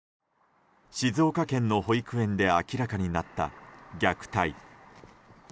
静岡県の保育園で明らかになった虐待。